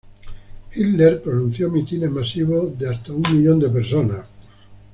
Hitler pronunció mítines masivos de hasta un millón de personas.